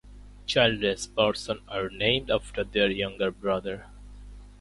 Childless persons are named after their younger brothers.